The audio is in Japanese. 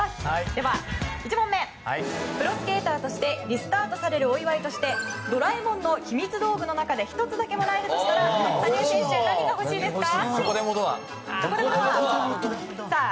では１問目プロスケーターとしてリスタートされるお祝いとしてドラえもんの秘密道具の中で１つだけもらえるとしたら羽生選手は何が欲しいですか？